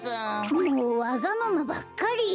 もうわがままばっかり！